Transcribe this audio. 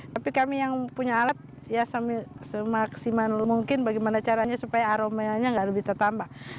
tapi kami yang punya alat ya semaksimal mungkin bagaimana caranya supaya aromanya nggak lebih tertambah